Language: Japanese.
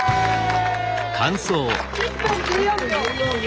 １分１４秒。